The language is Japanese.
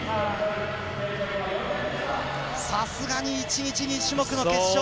さすがに１日２種目の決勝。